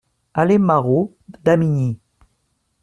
Allée Marot, Damigny